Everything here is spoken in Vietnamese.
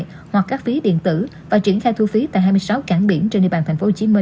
hoặc các phí điện tử và triển khai thu phí tại hai mươi sáu cảng biển trên địa bàn tp hcm